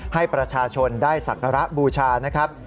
ให้ประชาชนได้สักการะบูชานะครับ